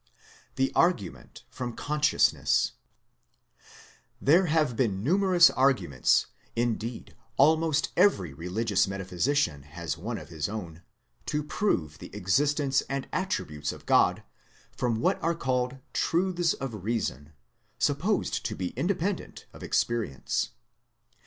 THE ABGUMENT FEOM CONSCIOUSNESS have been numerous arguments, indeed almost every religious metaphysician has one of his own, to prove the existence and attributes of God from what are called truths of reason, supposed to be independent of experience.